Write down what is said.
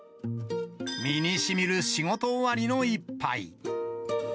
身にしみる仕事終わりの一杯。